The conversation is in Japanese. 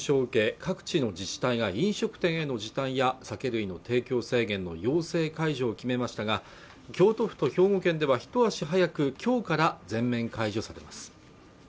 各地の自治体が飲食店への時短や酒類の提供制限の要請解除を決めましたが京都府と兵庫県ではひと足早く今日から全面解除されます